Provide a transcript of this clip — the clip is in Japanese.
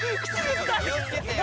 気をつけてよ。